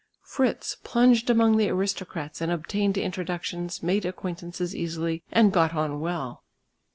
Fritz plunged among the aristocrats and obtained introductions, made acquaintances easily and got on well.